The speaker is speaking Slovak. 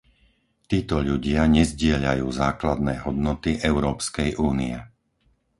Títo ľudia nezdieľajú základné hodnoty Európskej únie.